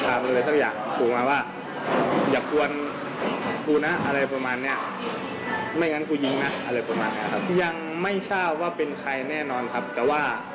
ใส่เสื้อของประสอบคอร์แกนภาค๔